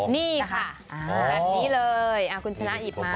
นี่ค่ะแบบนี้เลยคุณชนะหยิบมา